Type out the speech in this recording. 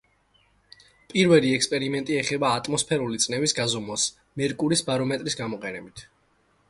პირველი ექსპერიმენტები ეხება ატმოსფერული წნევის გაზომვას მერკურის ბარომეტრის გამოყენებით.